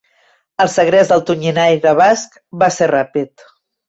El segrest del tonyinaire basc va ser ràpid.